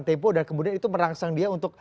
tempo dan kemudian itu merangsang dia untuk